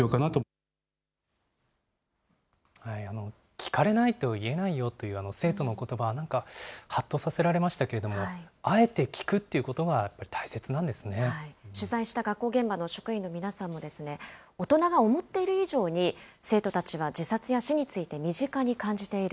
聞かれないと言えないよという生徒のことば、なんかはっとさせられましたけども、あえて聞くっていうことがやっぱり大切なん取材した学校現場の職員の皆さんも、大人が思っている以上に、生徒たちは自殺や死について身近に感じている。